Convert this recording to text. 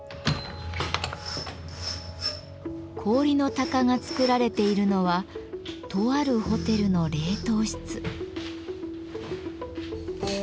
氷の鷹が作られているのはとあるホテルの冷凍室。